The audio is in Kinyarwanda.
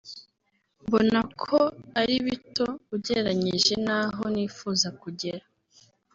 mbona ko ari bito ugereranyije n’aho nifuza kugera